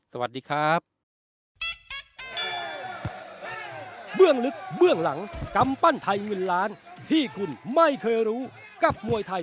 สวัสดีครับ